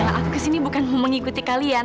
nah aku kesini bukan mengikuti kalian